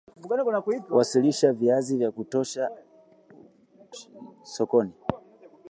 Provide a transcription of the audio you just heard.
Usifunue mzoga wa mnyama aliekufa kwa kimeta